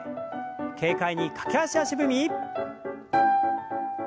軽快に駆け足足踏み。